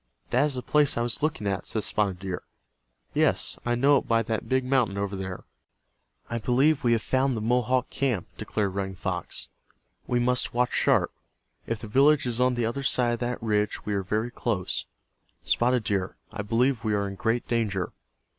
"That is the place I was looking at," said Spotted Deer. "Yes, I know it by that big mountain over there." "I believe we have found the Mohawk camp," declared Running Fox. "We must watch sharp. If the village is on the other side of that ridge we are very close. Spotted Deer, I believe we are in great danger."